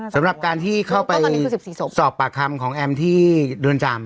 สำหรับการที่เข้าไปสอบปากคำของแอมป์ที่โดยรณจำ